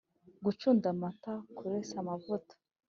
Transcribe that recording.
gucunda amata kuresa amavuta,